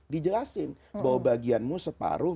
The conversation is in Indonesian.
dijelasin bahwa bagianmu separuh